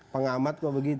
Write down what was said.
pengamat kok begitu